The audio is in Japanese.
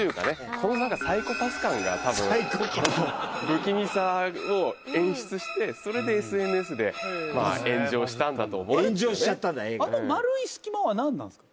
この何かサイコパス感がたぶんサイコパス不気味さを演出してそれでＳＮＳでまあ炎上したんだと思うんですよね炎上しちゃったんだエイがあの丸い隙間は何なんですか？